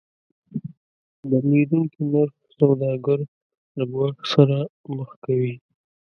د بدلیدونکي نرخ سوداګر له ګواښ سره مخ کوي.